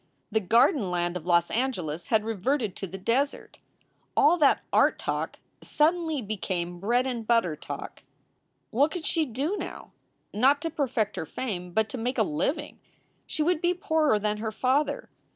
The garden land of Los Angeles had reverted to the desert. All that art talk suddenly became bread and butter talk. 370 SOULS FOR SALE What could she do now not to perfect her fame, but to make a living? She would be poorer than her father.